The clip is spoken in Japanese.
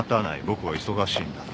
僕は忙しいんだ。